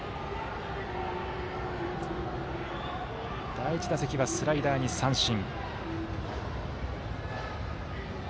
第１打席はスライダーに三振。